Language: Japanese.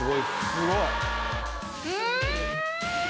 すごい。